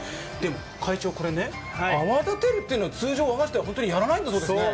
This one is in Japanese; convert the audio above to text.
会長、これ、泡立てるというのは通常、和菓子ではやらないんだそうですね。